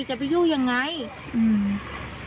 จะไปยู่ยังไงอืม